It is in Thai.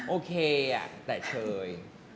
โอเคแต่เชย